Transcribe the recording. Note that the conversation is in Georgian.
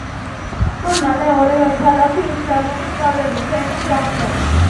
სულ მალე ორივე ქალაქი ისლამური სწავლების ცენტრი გახდა.